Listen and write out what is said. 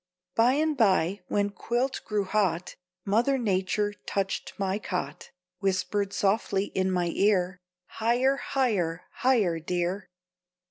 By and by, when quilt grew hot, Mother Nature touched my cot, Whispered softly in my ear, "Higher, higher, higher, dear."